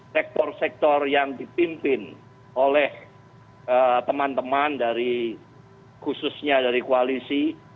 sektor sektor yang dipimpin oleh teman teman dari khususnya dari koalisi